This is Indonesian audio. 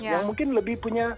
yang mungkin lebih punya